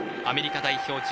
アメリカ代表